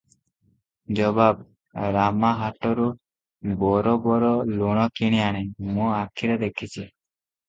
ଜବାବ - ରାମା ହାଟରୁ ବରୋବର ଲୁଣ କିଣି ଆଣେ, ମୁଁ ଆଖିରେ ଦେଖିଛି ।